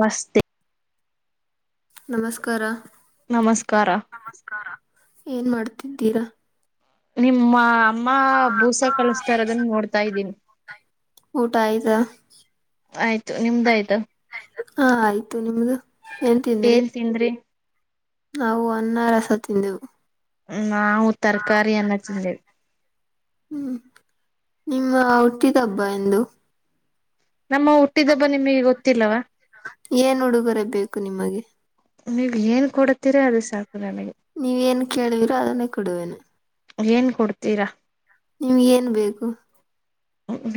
ಮಸ್ತೆ ನಮಸ್ಕಾರ ನಮಸ್ಕಾರ ನಮಸ್ಕಾರ ಏನ್ ಮಾಡ್ತಿದ್ದೀರಾ. ನಿಮ್ಮ ಅಮ್ಮ ಬೂಸ ಕಲಸ್ತಾರೋದನ್ನ ನೋಡ್ತಾ ಇದ್ದೀನಿ. ಊಟ ಆಯ್ತಾ ಆಯ್ತು ನಿಮ್ದಾಯಯ್ತು. ಹಾ ಆಯ್ತು ನಿಮ್ದು ಏನ್ ತಿಂದ್ರಿ. ನಾವು ಅನ್ನಾರಸ ತಿಂದೆವು. ನಾವು ತರಕಾರಿ ಅನ್ನ ತಿಂದೆೇವ್. ಹ್ಮ್ ನಿಮ್ಮ ಹುಟ್ಟಿದಬ್ಬ ಎಂದು ನಮ್ಮ ಹುಟ್ಟಿದಬ್ಬ ನಿಮಗೆ ಗೊತ್ತಿಲ್ಲವಾ. ಏನ್ ಹುಡುಗೊರೆ ಬೇಕು ನಿಮಗೆ ನೀವ್ ಏನ್ ಕೊಡತಿರಾ ಅದು ಸಾಕು ನಮಗೆ ನೀವ ಎನ್ ಕೇಳುವೀರೋ ಅದನ್ನೇ ಕೊಡುವೇನು. ಏನ್ ಕೊಡ್ತೀರಾ. ನಿಮಿಗ್ ಏನ್ ಬೇಕು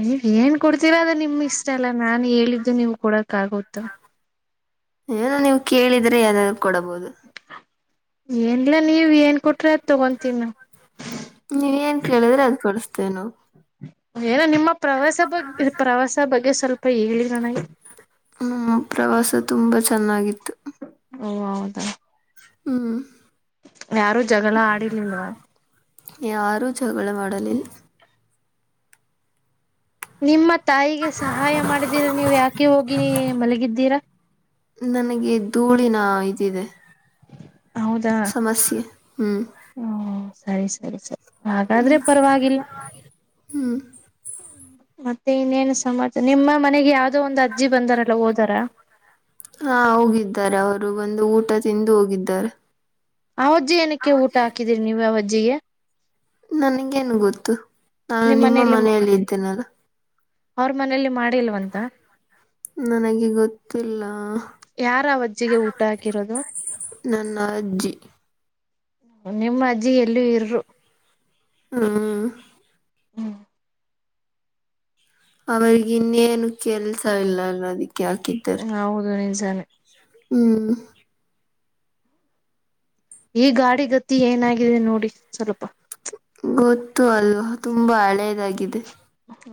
ನೀವ್ ಏನ್ ಕೊಡ್ತೀರಾ ಅದ್ ನಿಮ್ ಇಷ್ಟ ಅಲ್ಲ ನಾ ಹೇಳಿದ್ದು ನೀವು ಕೊಡ ಕಾಗೋತ್ತು ಏನು ನೀವು ಕೇಳಿದ್ರೆ ಅದ್ ಏನ್ಲಾ ನೀವ್ ಏನ್ ಕೊಟ್ ಟ್ರ ತಗೋತೀನಿ ನಾ ನೀವೇನ್ ಕೇಳಿದ್ರೆ ಅದ್ ಕೊಡಿಸ್ತೇವೆ ನಾವು ಏನ ನಿಮ್ಮ ಪ್ರವಾಸ ಬಗ್ ಪ್ರವಾಸ ಬಗ್ಗೆ ಸ್ವಲ್ ಹ್ಮ್ ಪ್ರವಾಸ ತುಂಬಾ ಚೆನ್ನಾಗಿತ್ತು. ಓ ಹೌದಾ ಹ್ಮ್ ಯಾರು ಜಗಳ ಆಡಿರ್ಲಲ್ವಾ ಈ ಯಾರೂ ಜಗಳ ಮಾಡಲಿಲ್ಲ. ನಿಮ್ಮ ತಾಯಿಗೆ ಸಹಾಯ ಮಾಡಿದೀರ ನೀವು ಯಾಕೆ ಹೋಗಿನ ಮಲಗಿದ್ದೀರಾ. ನನಗೆ ಧೂಳಿನ ಇದಿದೆ. ಹೌದಾ ಸಮಸ್ಯೆ ಹ್ಮ್ ಹ್ಮ ಸರಿ ಸರಿ ಸರಿ ಹಾಗಾದ್ರೆ ಪರವಾಗಿಲ್ಲ ಹ್ಮ್ ಮತ್ತೆ ಇನ್ನೇನ್ ಸ ಮತ್ ನಿಮ್ಮ ಮನೆಗೆ ಯಾವ್ದೋ ಒಂದು ಅಜ್ಜಿ ಬಂದಾರಲ್ಲ ಹೋದಾರ ಹಾ ಹೋಗಿದ್ದಾರೆ ಅವರು ಬಂದು ಊಟ ತಿಂದು ಹೋಗಿದ್ದಾರೆ. ಆ ಅವಜ್ಜಿ ಏನಕ್ಕೆ ಊಟ ಹಾಕಿದೀರಿ ನೀವು ಅವಜ್ಜಿಗೆ. ನನ್ಗೇನ್ ಗೊತ್ತು ನಾನು ನಿಮ್ ನಿಮ್ಮ ಮನೇಲಿ ಮನೆಯಲ್ಲಿ ಇದ್ದೇನಲ್ಲ. ಅವ್ರ ಮನೇಲಿ ಮಾಡಿಲ್ವಂತ. ನನಗೆ ಗೊತ್ತಿಲ್ಲ ಯಾರ ವಜ್ಜಿಗೆ ಊಟ ಹಾಕಿರೋದು. ನನ್ನ ಅಜ್ಜಿ ನಿಮ್ಮ ಅಜ್ಜಿ ಎಲ್ಲೂ ಇರರು ಹಾ ಹ್ಮ್ ಅವರಿಗ ಇನ್ನೇನು ಕೆಲ್ಸ ಇಲ್ಲಲ್ಲ ಅದಕ್ಕೆ ಹಾಕಿದ್ದರು. [unintelligible] ಹ್ಮ್ ಈ ಗಾಡಿ ಗತ್ತಿ ಏನಾಗಿದೆ ನೋಡಿ ಸ್ವಲ್ಪ. ಗೊತ್ತು ಅಲ್ವಾ ತುಂಬಾ ಹಳೇದಾಗಿದೆ.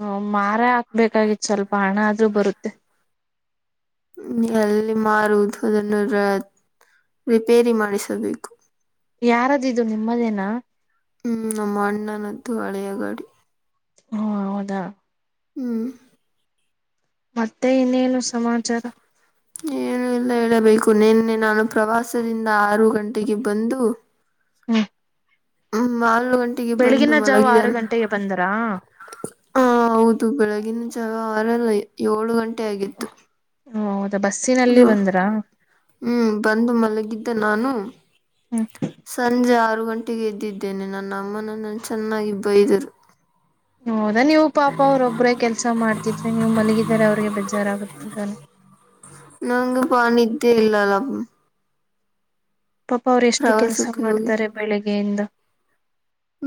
ಹ್ಮ ಮಾರ ಹಾಕ್ಬೇಕಾಗಿತ್ತು ಸ್ವಲ್ಪ ಹಣ ಆದ್ರೂ ಬರುತ್ತೆ. ಎಲ್ಲಿ ಮಾರುವುದು ಅದನ್ನು ರ ರಿಪೇರಿ ಮಾಡಿಸಬೇಕು ಯಾರದು ನಿಮ್ಮದೇನ ಹ್ಮ್ ನಮ್ಮ ಅಣ್ಣನದ್ದು ಹಳೆಯ ಗಾಡಿ ಹಾ ಹೌದಾ ಹ್ಮ್ ಮತ್ತೆ ಇನ್ನೇನು ಸಮಾಚಾರ ಏನುಲ್ಲ ಹೇಳಬೇಕು ನಿನ್ನೆ ನಾನು ಪ್ರವಾಸದಿಂದ ಆರು ಗಂಟೆಗೆ ಬಂದು ಹ್ಮ ಹ್ಮ ಗಂಟೆಗೆ ಬಂದು ಜಾವ ಮಲಗಿದ ಆರು ಗಂಟೆಗೆ ಬಂದರಾ ಹ ಹೌದು ಬೆಳಗ ವಾರಲ್ಲ ಏಳು ಗಂಟೆ ಆಗಿತ್ತು ಹ ಹೌದಾ ಬಸ್ಸಿನಲ್ಲಿ ಹ್ಮ ಬಂದ್ರಾ ಹ್ಮ್ ಬಂದು ಮಲಗಿದ್ದ ನಾನು ಹ್ಮ್ ಸಂಜ ಆರು ಗಂಟೆಗೆ ಎದ್ದಿದ್ದೇನೆ ನನ್ನ ಅಮ್ಮನನ್ನ ಚೆನ್ನಾಗಿ ಬೈದರು ಹೌದಾ ನೀವು ಪಾಪ ಅವ್ರೊಬ್ಬ್ರೇ ಕೆಲ್ಸ ಮಾಡ್ತಿದ್ರಿ ನೀವು ಮಲಗಿದರೆ ಅವ್ರಿಗೆ ಬ ಬೇಜಾರ ಆಗುತ್ತೆ ತಾನೆ ನಂಗೂಪ ನಿದ್ದೆ ಇಲ್ಲಪ್ಪ ಪಾಪ ಅವ್ರು ಎಷ್ಟು ಕೆಲ್ಸ ಪ್ರವಾಸಕ್ಕೆ ಹೋಗಿ ಮಾಡ್ತಾರೆ ಬೆಳಿಗ್ಗೆಯಿಂದ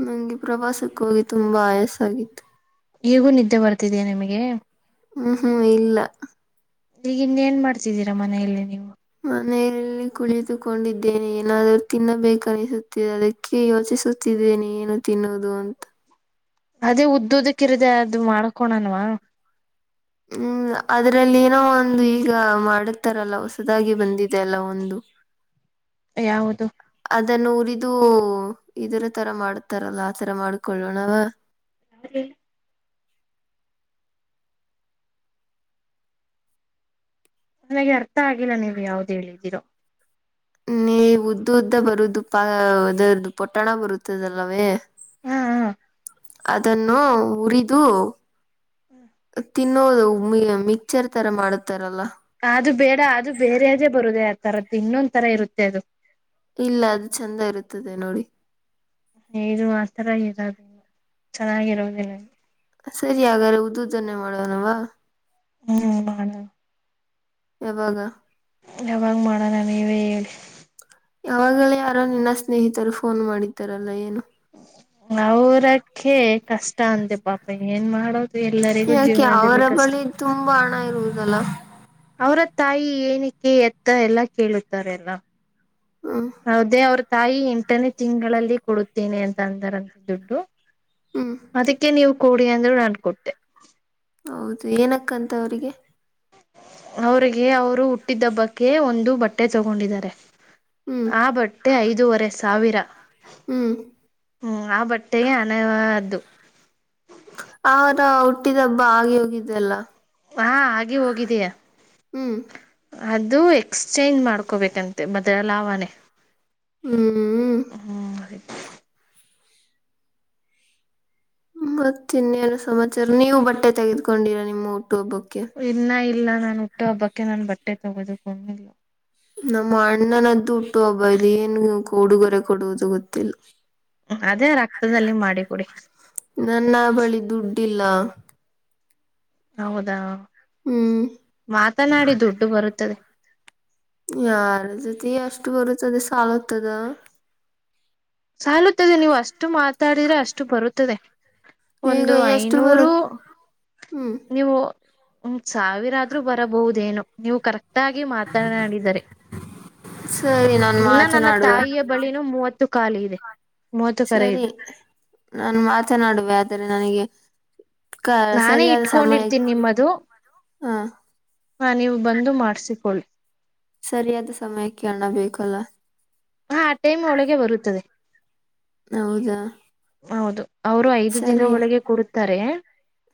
ನಂಗೆ ಪ್ರವಾಸಕ್ಕೆ ಹೋಗಿ ತುಂಬಾ ಆಯಸ ಆಗಿತ್ತು ಈಗೂ ನಿದ್ದೆ ಬರ್ತಿದೀ ನಿಮಗೆ ಹ್ಮ್ ಹ್ಮ್ ಇಲ್ಲ ಈಗ ಇನ್ನ ಏನ್ ಮಾಡ್ತಿದ್ದೀರಾ ಮನೆಯಲ್ಲಿ ನೀವು ರಲ್ಲಿ ಕುಳಿತುಕೊಂಡಿದ್ದೇನೆ ಏನಾದರೂ ತಿನ್ನಬೇಕನಿಸುತ್ತಿದೆ ಅದಕ್ಕೆ ಯೋಚಿಸುತ್ತಿದ್ದ ಏನು ತಿನ್ನುವುದು ಅಂತ ಅದೇ ಉದ್ದದಕ್ಕಿರದೆ ಅದು ಮಾಡ್ಕೋಣನ್ವಾ ಹ್ಮ್ ಅದ್ರಲ್ಲಿ ಏನೋ ಒಂದು ಈಗ ಮಾಡುತ್ತಾರಲ್ಲ ಹೊಸದಾಗಿ ಬಂದಿದೆ ಅಲ್ಲ ಒಂದು ಯಾವುದು ಅದನ್ನು ಉರಿದು ಇದರ ತರ ಮಾಡತಾರಲ್ಲ ಆತರ ಮಾಡ್ಕೊಳ್ಳೋಣವ [inaudible] ನನಗೆ ಅರ್ಥ ಆಗಿಲ್ಲ ನೀವು್ ಯಾವ್ದು ಹೇಳಿದ್ದೀರೋ ನೀ ಉದ್ದ ಉದ್ದ ಬರುದು ಪಾ ಅದರದ್ದು ಪೊಟ್ಟಣ ಬರುತ್ತದಲ್ಲವೇ ಹಾ ಹಾ ಅದನ್ನು ಉರಿದು ತಿನ್ನೋದು ಮಿಕ್ಚರ್ ತರ ಮಾಡುತ್ತಾರಲ್ಲ ಅದು ಬೇಡ ಅದು ಬೇರೆ ಅದೇ ಬರುದ ಆ ತರದ್ದು ಇನ್ನೊಂದ ತರ ಇರುತ್ತೆ ಅದು ಇಲ್ಲ ಅದು ಚಂದ ಇರುತ್ತದೆ ನೋಡಿ ದು ಮಾತ್ರರ ಇರೋದಿಲ್ಲ ಚೆನ್ನಾಗಿರುೋದಿಲ್ಲ ಸರಿ ಹಾಗಾದ್ರೆ ಉದುದನ್ನೇ ಮಾಡುವನವಾ ಹ್ಮ ಮಾಡೋಣ ಯಾವಾಗ ಯಾವಂಗ್ ಮಾಡೋಣ ನೀವೇ ಹೇಳಿ ಯಾವಾಗಲೇ ಯಾರೋ ನಿನ್ನ ಸ್ನೇಹಿತರು ಫೋನ್ ಮಾಡಿದ್ದಾರಲ್ಲ ಏನು ಅವರಕ್ಕೆ ಕಷ್ಟ ಅಂತೆೆ ಪಾಪ ಏನ್ ಮಾಡೋದು ಎಲ್ಲರಿಗೂ ಯಾಕೆ ಅವರ ಜೀವನದಲ್ಲಿ ಕಷ್ಟ ಬಳಿ ತುಂಬಾ [unintelligible] ಅವರ ತಾಯಿ ಏನಕ್ಕೆೆ ಎತ್ತ ಎಲ್ಲ ಕೇಳುತ್ತಾರೆ ಎಲ್ಲ ಹ್ಮ್ ಹೌದೇ ಅವ್ರ ತಾಯಿ ಎಂಟನೇ ತಿಂಗಳಲ್ಲಿ ಕೊಡುತ್ತೇನೆ ಅಂತ ಅಂದಾರಂತ ದುಡ್ಡು ಹ್ಮ್ ಅದಕ್ಕೆ ನೀವು ಕೋಡಿ ಅಂದ್ ಅನ್ಕೊಟ್ಟೆ ಹೌದು ಏನಕ್ಕಂತ ಅವ್ರಿಗೆ ಅವರಿಗೆ ಅವರು ಹುಟ್ಟಿದ್ದಬ್ಬಕ್ಕೆ ಒಂದು ಬಟ್ಟೆ ತಗೊಂಡಿದ್ದಾರೆ ಹ್ಮ್ ಆ ಬಟ್ಟೆ ಐದೂುವರೆ ಸಾವಿರ ಹ್ಮ್ ಹ್ಮ್ ಆ ಬಟ್ಟೆೆಗೆ ಅನ್ದು ಆರ ಹುಟ್ಟಿದ ಹಬ್ಬ ಆಗೆ ಹೋಗಿದ್ದೆಲ್ಲ ಹಾ ಹಾಗೆ ಹೋಗಿದಯಾ ಹ್ಮ್ ಅದು ಎಕ್ಸ್ಚೇಂಜ್ ಮಾಡ್ಕೋಬೇಕಂತೆ ಮದ್ರ ಲಾವಾನೇ ಹ್ಮ್ ಹಾಗ ಮತ್ತೆ ಇನ್ನೇನು ಸಮಾಚಾರ ನೀವು ಬಟ್ಟೆ ತೆಗೆದ್ಕೊಂಡಿರಾ ನಿಮ್ಮ ಊಟ್ಟ ಹಬ್ಬಕ್ಕೆ ಇನ್ನ ಇಲ್ಲ ನಾನು ಹುಟ್ಟು ಹಬ್ಬಕ್ಕೆ ನಾನನ್ ಬಟ್ಟೆ ತಗೋದು ಕಣಿಲ್ಲ ನಮ್ಮ ಅಣ್ಣನದ್ದು ಹುಟ್ಟು ಹಬ್ಬ ಇ ಏನು ಕಡುಗೊರೆ ಕೊಡುವುದು ಗೊತ್ತಿಲ್ಲ ಅದೇ ರಕ್ತದಲ್ಲಿ ಮಾಡಿಿಕ ಕುಡಿ ಅಗಲ ಹೌದಾ ಹ್ಮ್ ಮಾತನಾಡಿ ದುಡ್ಡು ಬರುತ್ತದೆ ಯಾರ ಜತೆ ಅಷ್ಟು ಬರುತ್ತದೆ ಸಾಲತದ ಸಾಲುತ್ತದೆ ನೀವು ಅಷ್ಟು ಮಾತಾಡಿದ್ರೆ ಅಷ್ಟು ಬರುತ್ತದೆ ಈಗ ಒಂದು ಎಷ್ಟು ಐನೂರು ಬರುತ್ ಹ್ಮ್ ನೀವು ಹ ಸಾವಿರ ಆದ್ರರು ಬರಬಹುದೇನು ನೀವು ಕರೆಕ್ಟ್ ಆಗಿ ಮಾತನಾಡಿದರೆ ಸರಿ ನಾನು ಇನ್ನ ನನ್ನ ಮಾತನಾಡುವೆ ತಾಯಿಯ ಬಳಿನೂ ಮೂವತ್ತು ಕಖಾಲಿ ಇದೆ ಮೂವತ್ತು ಕರೆ ಸರಿ ಇದೆ ನಾನು ಮಾತನಾಡುವೆ ಆದರೆ ನನಗೆ ಕ ನಾನೇ ಸರಿಯಾದ ಸಮಯ ಇಟ್ಕೊಂಡಿರ್ತೀನಿ ನಿಮ್ಮದು ಹಾ ಹಾ ನೀವು ಬಂದು ಮಾಡ್ಸಿಕೊಳ್ಳಿ ಸರಿಯಾದ ಸಮಯಕ್ಕೆ ಅಣ್ಣ ಬೇಕಲ್ಲ ಹಾ ಆ ಟೈಮ್ ಒಳಗೆ ಬರುತ್ತದೆ ಹೌದಾ ಹೌದು ಅವರು ಐದು ದಿನ ಸರಿ ಒಳಗೆ ಕೊಡತಾರೆ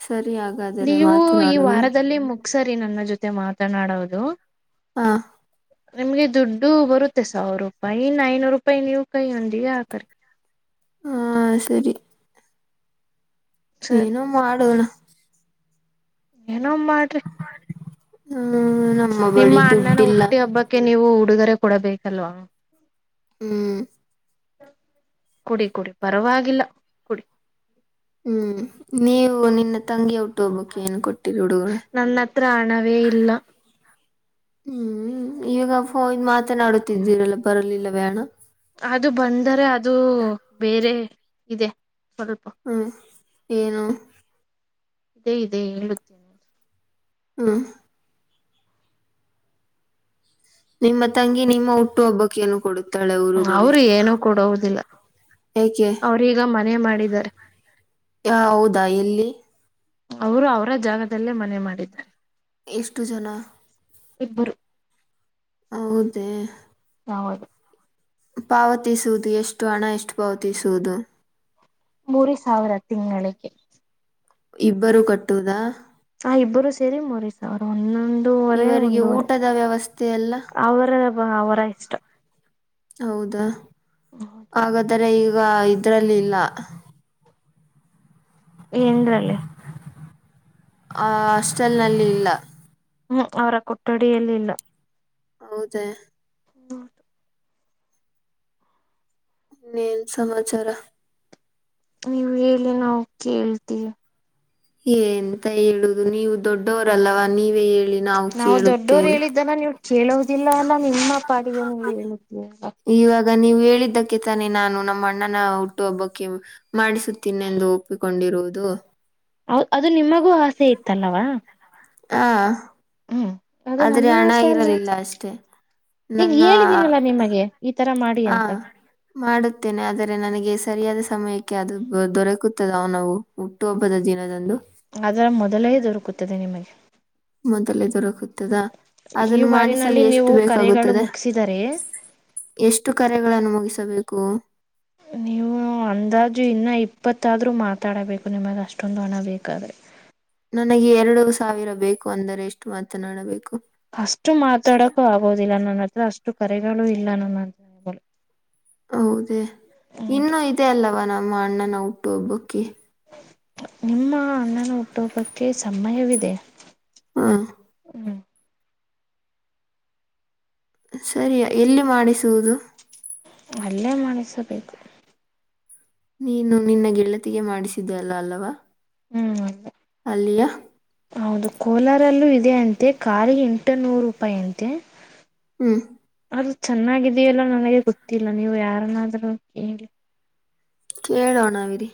ಸರಿ ಹಾಗಾದರೆ ನೀವು ಈ ಮಾತನಾಡುವೆ ವಾರದಲ್ಲಿ ಮುಗ್ಸರಿ ನನ್ನ ಜೊತೆ ಮಾತನಾಡೋದು ಹಾ ನಿಮ್ಗೆ ದುಡ್ಡು ಬರುತ್ತೆ ಸಾವಿರ ರೂಪಾಯಿ ಐನೂರು ರೂಪಾಯಿ ನೀವು್ ಕೈ ಉಂಡಿಗೆ ಆಕರಿ ಹಾ ಸರಿ ಸರಿ ಏನೋ ಮಾಡೋಣ ಏನೋ ಮಾಡ್ರಿ ಹ್ಮ್ ನಮ್ಮ ನಿಮ್ಮ ಬಳಿ ಅಣ್ಣನ ದುಡ್ಡಿಲ್ಲ ಹುಟ್ಟಿ ಹಬ್ಬಕ್ಕೆ ನೀವು ಉಡುಗೊರೆ ಕೊಡಬೇಕಲ್ವಾ ಹ್ಮ್ ಕುಡಿ ಕುಡಿ ಪರವಾಗಿಲ್ಲ ಕುಡಿ ಹ್ಮ್ ನೀವು ನಿನ್ನ ತಂಗಿಯ ಹಟ್ಟು ಟೋಬುಕ್ಕಿ ಏನು ಕೊಟ್ಟಿರಡು ನನ್ನ ಹತ್ರ ಹಣವೇ ಇಲ್ಲ ಹ್ಮ್ ಈವಾಗ ಫೋ ಮಾತನಾಡುತ್ತಿದ್ದೀರಲ್ಲ ಬರಲಿಲ್ಲ ಬೇಣ ಅದು ಬಂದರೆ ಅದು ಬೇರೆ ಇದೆ ಸ್ವಲ್ಪ ಹ್ಮ ಏನು ಇದೇ ಇದೆ ಗತ್ತೇನೆ ಅ ಹ್ಮ ನಿಮ್ಮ ತಂಗಿ ನಿಮ್ಮ ಹುಟ್ಟು ಹಬ್ಬಕ್ಕ ಏನು ಕೊಡುತ್ತೆ ಅವರು ಏನುೂ ಕೊಡುವುದಿಲ್ಲ ಏಕೆ ಅವ್ರೀಗ ಮನೆ ಮಾಡಿದ್ದಾರೆ ಹ ಹೌದಾ ಎಲ್ಲಿ ಅವರು ಅವರ ಜಾಗದಲ್ಲೇ ಮನೆ ಮಾಡಿದ್ದಾರೆ ಎಷ್ಟು ಜನ ಇಬ್ಬರು ಹೌದೇ ಹೌದು ಪಾವತಿಸುವುದು ಎಷ್ಟು ಹಣ ಎಷ್ಟು ಪಾವತಿಸುವುದು ಮೂರು ಸಾವಿರ ತಿಂಗಳಿಗೆ ಇಬ್ಬರು ಕಟ್ಟುವುದಾ ಹಾ ಇಬ್ಬರು ಸೇರಿ ಮೊರ್ ಅವರು ಒಂದ ಒಂದೂವರೆ ಇವರಿಗೆ ಒಂದೂವರೆ ಊಟದ ವ್ಯವಸ್ಥೆ ಎಲ್ಲ ಅವರ ಅವರ ಇಷ್ಟ ಹೌದಾ ಹೌದು, ಹಾಗಾದ್ರೆ ಈಗ ಇದ್ರಲ್ಲಿಲ್ಲ ಏನಲ್ಲೇ ಆ ಹಾಸ್ಟೆಲ್ ನಲ್ಲಿ ಇಲ್ಲ ಹ್ಮ್ ಅವರ ಕೊಠಡಿಯಲ್ಲಿಲ್ಲ ಹೌದಾ ಹಟ ನೀನ್ ಸಮಾಚಾರ ನೀವು ಎಲ್ಲಿ ನಾವು ಕೇಳ್ತೀವಿ ಏಂತ ಹೇಳುದು ನೀವು ದೊಡ್ಡವರಲ್ಲವಾ ನೀವು ನಾವವು ದೊಡ್ಡೋರು ಹೇಳಿದ್ದನ ನೀವು ಕೇಳೋ ಇದಿಲ್ಲ ಎಲ್ಲ ನಿಮ್ಮ ಪಾಡಿಗೆ ನೀವು ಹೇಳುತ್ತೀಲ್ಲ ಆಗ ನೀವು ಹೇಳಿದ್ದಕ್ಕೆ ತಾನೆ ನಾನು ನಮ್ಮ ಅಣ್ಣನ ಹುಟ್ಟುಹಬ್ಬಕ್ಕೆ ಮಾಡಿಸುತ್ತೀನೆಿಂದು ಒಪ್ಪಿಕೊಂಡಿದ್ದ ಇರೋದು ಹೌದ ಅದು ನಿಮಗೂ ಆಸೆ ಇತ್ತಲ್ಲವಾ ಹಾ ಹ್ಮ್ ಅದು ಆದ್ರೆ ನನ್ನ ಹಣ ಆಸೆ ಅಲ್ಲ ಇರಲಿಲ್ಲ ಅಷ್ಟೆ ಈಗ ಹೇಳಿದೀನಲ್ಲಾ ನಿಮಗೆ ಈ ತರ ಮಾಡಿ ಆ ಅಂತ ಮಾಡುತ್ತೇನೆ ಆದರೆ ನನಗೆ ಸರಿಯಾದ ಸಮಯಕ್ಕೆ ಅದು ದೊರಕುತ್ತದೆ ನಾವು ಹುಟ್ಟುಹಬ್ಬದ ದಿನದಂದು ಅದರ ಮೊದಲೇ ದೊರಕುತ್ತದೆ ನಿಮಗೆ ಮೊದಲೇ ದೊರಕದಾ ಈ ಅದನ್ನು ಮಾಡಿಸಲು ವಾರಿನಲ್ಲಿ ಎಷ್ಟು ನೀವು ಕರೆಗಳು ಬೇಕಾಗುತ್ತದೆ ಮುಗಿಸಿದರೆ ಎಷ್ಟು ಕರೆಗಳನ್ನು ಮುಗಿಸಬೇಕು ನೀವು ಅಂದಾಜು ಇನ್ನ ಇಪ್ಪತ್ತಾದ್ರರು ಮಾತಾಡಬೇಕು ನಿಮಗ್ ಅಷ್ಟೊಂದು ಹಣ ಬೇಕಾದ್ರೆ ನನಗೆ ಎರಡು ಸಾವಿರ ಬೇಕು ಅಂದರೆ ಎಷ್ಟು ಮಾತನಾಡಬೇಕು ಅಷ್ಟು ಮಾತಾಡಕೂ ಆಗೋುದಿಲ್ಲ ನನ್ನ ಹತ್ರ ಅಷ್ಟು ಕರೆಗಳು ಇಲ್ಲ ನನ್ನ ಹತ್ರ ಹೇಳ್ಬಲ್ಲ ಹೌದೇ ಇನ್ನೂ ಇದೆ ಅಲ್ಲವಾ ನಮ್ಮ ಅಣ್ಣನ ಹುಟ್ಟು ಒಬ್ಬಕ್ಕೆ ನಿಮ್ಮ ಅಣ್ಣನ ಹುಟ್ಟೊಬ್ಬಕ್ಕೆ ಸಮಯವಿದೆ ಹಾ ಹ್ಮ್ ಸರಿಯ ಎಲ್ಲಿ ಮಾಡಿಸುವುದು ಒಲ್ಲೆ ಮಾಡಸಬೇಕು ನೀನು ನಿನ್ನ ಗೆಳತಿಗೆ ಮಾಡಿಸಿದ್ದ ಅಲ್ಲ ಅಲ್ಲವಾ ಹ್ಮ್ ಅಲ್ಲಿಯಾ ಹೌದು ಕೋಲಾರಲ್ಲೂ ಇ ಇ ಅಂತೆ ಖಾಲ ಎಂಟು ನೂರು ರೂಪಾಯಿ ಅಂತೆ ಹ್ಮ್ ಅದು ಚೆನ್ನಾಗಿದೆಯಲ್ಲ ನನಗೆ ಗೊತ್ತಿಲ್ಲ ನೀವು ಯಾರನಾದ್ರೂ ಹೇಗೆ ಕೇಳೋಣ ವಿರಿ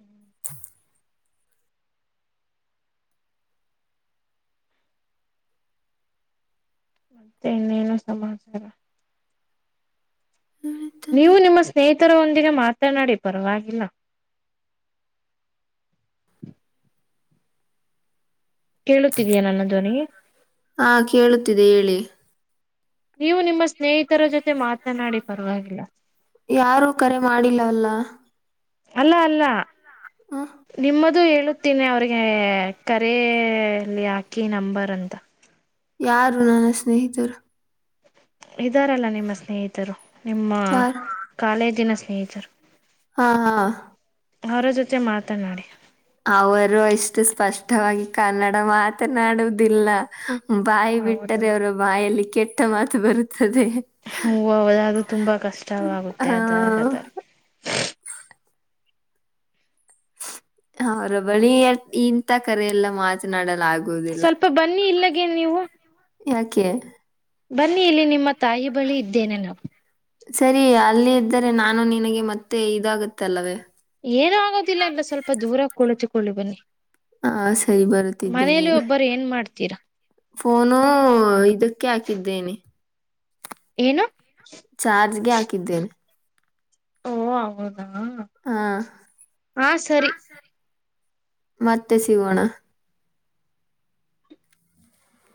ಹ್ಮ್ ಮತ್ತೆ ಇನ್ನೇನು ಸಮಾಚಾರ ನೀವು ನಿಮ್ಮ ಸ್ನೇಹಿತ ಉತ್ತರೊಂದಿಗೆ ಮಾತನಾಡಿ ಪರವಾಗಿಲ್ಲ ಕೇಳುತ್ತಿದೀಯ ನನ್ನ ಧ್ವನಿ ಹಾ ಕೇಳುತ್ತಿದೆ ಹೇಳಿ ನೀವು ನಿಮ್ಮ ಸ್ನೇಹಿತರ ಜೊತೆ ಮಾತನಾಡಿ ಪರವಾಗಿಲ್ಲ ಯಾರು ಕರೆ ಮಾಡಿಲ್ಲವಲ್ಲ ಅಲ್ಲ ಅಲ್ಲ ಹ್ಮ್ ನಿಮ್ಮದು ಇದು ಹೇಳುತ್ತನೆ ಅವ್ರಿಗೆ ಕರಲಿ ಹಾಕಿ ನಂಬರ್ ಅಂತ ಯಾರು ನನ್ನ ಸ್ನೇಹಿತರು ಇದಾರಲ್ಲ ನಿಮ್ಮ ಸ್ನೇಹಿತರು ನಿಮ್ಮ ಯಾರು ಕಾಲೇಜಿನ ಸ್ನೇಹಿತರು ಹಾ ಹಾ ಅವರ ಜೊತೆ ಮಾತನಾಡಿ ಅವರು ಅಷ್ಟು ಸ್ಪಷ್ಟವಾಗಿ ಕನ್ನಡ ಮಾತನಾಡುದಿಲ್ಲ ಬಾಯಿ ಹೌದಾ ಬಿಟ್ಟರೆ ಅವರ ಬಾಯಲ್ಲಿ ಕೆಟ್ಟ ಮಾತು ಬರುತ್ತೆ ಹೂದು ತುಂಬಾ ಕಷ್ಟವಾಗುತ್ತೆ ಆ ಅದಾಗಾದ್ರ ಅವರ ಬಳಿ ಇಂಂತ ಕರೆಲ್ಲ ಮಾತನಾಡಲಾಗ ಸ್ವಲ್ಪ ಬನ್ನಿ ಇಲ್ಲಗೆೇ ನೀವು ಯಾಕೆ ಬನ್ನಿ ಇಲ್ಲಿ ನಿಮ್ಮ ತಾಯಿ ಬಳಿ ಇದ್ದೇನೆ ನಾವು ಸರಿ ಅಲ್ಲಿ ಇದ್ದರೆ ನಾನು ನಿನಗೆ ಮತ್ತೆ ಇದಾಗುತ್ತೆ ಅಲ್ಲವೇ ಏನ ಆಗೋದಿಲ್ಲ ಎಲ್ಲ ಸ್ವಲ್ಪ ದೂರ ಕುಳಿತಕೊಳ್ಳಿ ಬನ್ನಿ ಹಾ ಸರಿ ಬರುತ್ತಿದ್ದೇನೆ ಮನೆಯಲ್ಲಿ ರ ಒಬ್ಬರು ಏನ್ ಮಾಡ್ತೀರಾ ಫೋನು ಇದಕ್ಕೆ ಹಾಕಿದ್ದೇನೆ ಏನಾ ಚಾರ್ಜ್ಗೆ ಹಾಕಿದ್ದೇನೆ ಓ ಅವದಾ ಹಾ ಹ ಸರಿ ಮತ್ತೆ ಸಿಗೋಣ